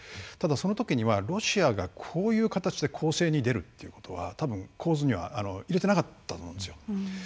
ただ、そのときにはロシアが、こういう形で攻勢に出るということは構図には入れてなかったと思うんですよ。